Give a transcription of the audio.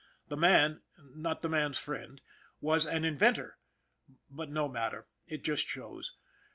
The man not the man's friend was an inventor. But no matter. It just shows.